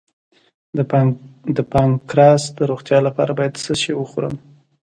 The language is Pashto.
د پانکراس د روغتیا لپاره باید څه شی وخورم؟